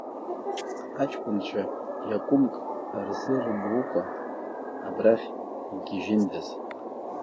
Ҳаҷкәынцәа, иакәымк рзырымукәа, абрахь игьежьындаз!